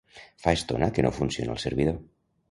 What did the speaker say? Fa estona que no funciona el servidor.